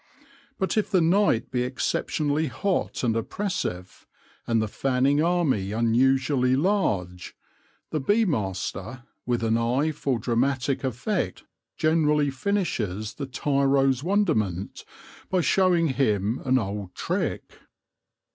But if the night be exceptionally hot and oppressive, and the fanning army unusually large, the bee master with an eye for dramatic effect generally finishes the tiro's wonderment by showing him an old trick.